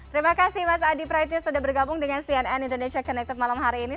terima kasih mas adi praetno sudah bergabung dengan cnn indonesia connected malam hari ini